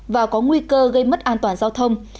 và có nguy cơ gây mất an toàn giao thông